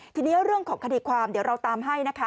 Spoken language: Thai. ทีนี้เรื่องของคดีความเดี๋ยวเราตามให้นะคะ